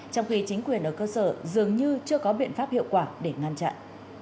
trong khi chính quyền ở cơ sở dường như chưa có biện pháp hiệu quả để ngăn chặn